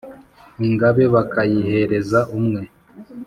Ingabe bakayihereza umwe